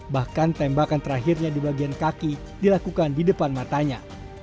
bahkan tembakan terakhirnya di bagian kaki dilakukan di depan matanya